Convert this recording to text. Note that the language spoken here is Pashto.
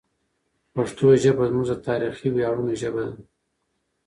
پښتو ژبه زموږ د تاریخي ویاړونو ژبه ده.